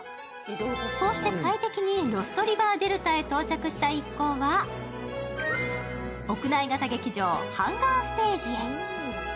そして快適にロストリバーデルタへ到着した一行は屋内型劇場、ハンガーステージへ。